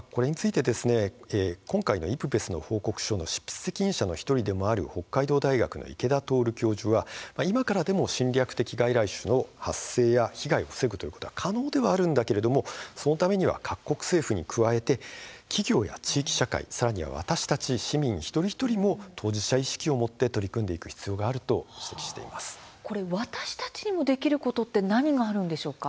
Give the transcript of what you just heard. ＩＰＢＥＳの報告書の執筆責任者の１人でもある北海道大学の池田透教授は今からでも侵略的外来種の発生や被害を防ぐことは可能だけれどもそのためには各国政府に加えて企業や地域社会、さらには私たち市民一人一人も当事者意識を持って私たちにもできることってあるんでしょうか？